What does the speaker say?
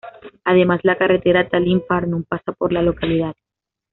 Además la carretera Tallin Pärnu pasa por la localidad.